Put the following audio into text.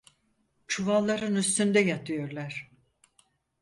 Çuvalların üstünde yatıyorlar!